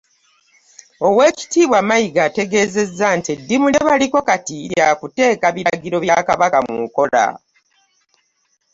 Oweekitiibwa Mayiga ategeezezza nti eddimu lye baliko kati lyakuteeka biragiro bya Kabaka